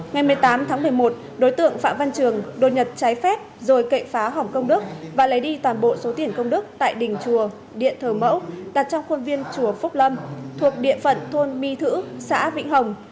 ngày một mươi tám tháng một mươi một đối tượng phạm văn trường đột nhập trái phép rồi cậy phá hỏng công đức và lấy đi toàn bộ số tiền công đức tại đình chùa điện thờ mẫu đặt trong khuôn viên chùa phúc lâm thuộc địa phận thôn my thử xã vĩnh hồng